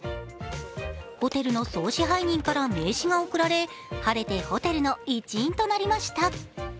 ホテルの総支配人から名刺が贈られ、晴れてホテルの一員となりました。